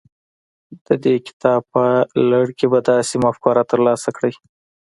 د دې کتاب په لړ کې به داسې مفکوره ترلاسه کړئ.